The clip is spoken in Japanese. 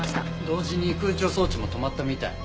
同時に空調装置も止まったみたい。